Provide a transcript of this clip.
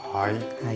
はい。